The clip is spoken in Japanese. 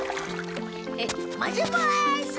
まぜます！